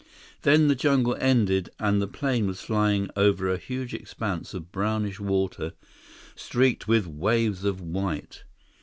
Then the jungle ended, and the plane was flying over a huge expanse of brownish water streaked with waves of white.